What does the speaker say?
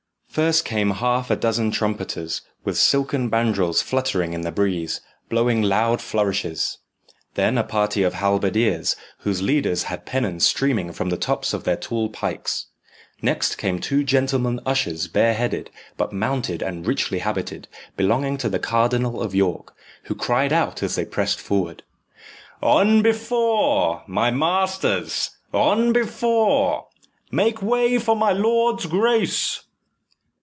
First came half a dozen trumpeters, with silken bandrols fluttering in the breeze, blowing loud flourishes. Then a party of halberdiers, whose leaders had pennons streaming from the tops of their tall pikes. Next came two gentlemen ushers bareheaded, but mounted and richly habited, belonging to the Cardinal of York, who cried out as they pressed forward, "On before, my masters, on before! make way for my lord's grace."